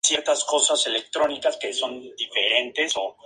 El Pez Negro se niega, considerando la amenaza un farol.